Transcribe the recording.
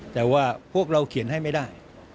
แต่ว่าพวกเราเขียนให้ไม่ได้